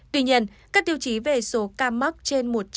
tuy nhiên các tiêu chí về số ca mắc trên một trăm linh